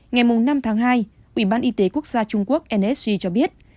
ngày năm tháng hai ubnd trung quốc nsg cho biết